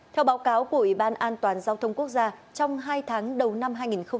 theo báo cáo của ủy ban an toàn giao thông quốc gia trong hai tháng đầu năm hai nghìn hai mươi